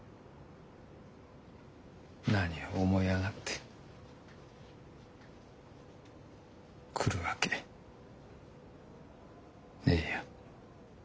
何を思い上がって来るわけねえよ。